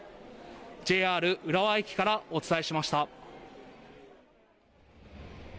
ＪＲ浦和駅からお伝えしました。